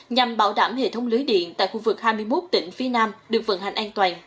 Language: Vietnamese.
nhằm bảo đảm hệ thống lưới điện tại khu vực hai mươi một tỉnh phía nam được vận hành an toàn